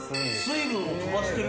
・水分を飛ばしてる？